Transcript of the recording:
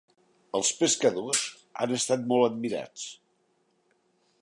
Els "Pescadors" han estat molt admirats.